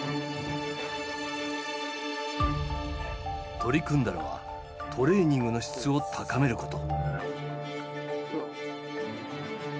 取り組んだのはトレーニングの質を高めること。